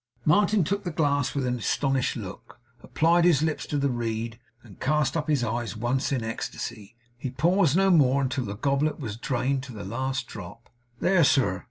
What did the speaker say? Martin took the glass with an astonished look; applied his lips to the reed; and cast up his eyes once in ecstasy. He paused no more until the goblet was drained to the last drop. 'There, sir!